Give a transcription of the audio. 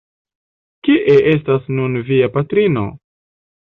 Kie estas nun via patrino?